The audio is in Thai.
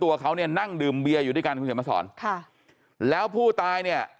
ตัวเขาเนี่ยนั่งดื่มเบียอยู่ด้วยกันคุณเขียนมาสอนค่ะแล้วผู้ตายเนี่ย